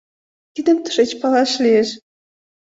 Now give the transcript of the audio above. Тидым тышеч палаш лиеш».